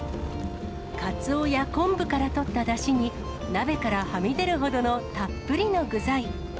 カツオや昆布からとっただしに、鍋からはみ出るほどのたっぷりの具材。